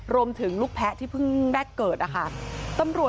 รวมถึงลูกแพทย์ที่เพิ่งได้เกิดอ่ะค่ะตำรวจสอพวพเนียต